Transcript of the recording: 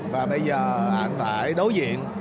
và bây giờ anh phải đối diện